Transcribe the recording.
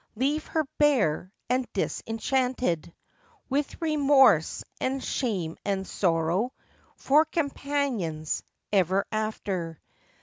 41 Leave her bare and disenchanted, With remorse and shame and sorrow For companions ever after.